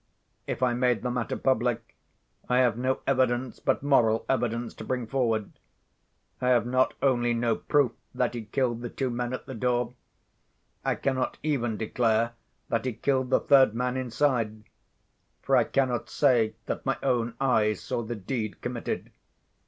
If I made the matter public, I have no evidence but moral evidence to bring forward. I have not only no proof that he killed the two men at the door; I cannot even declare that he killed the third man inside—for I cannot say that my own eyes saw the deed committed.